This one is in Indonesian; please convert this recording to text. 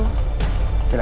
aku akan ingat pesan seh guru